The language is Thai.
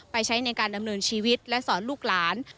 ใช้ในการดำเนินชีวิตและสอนลูกหลาน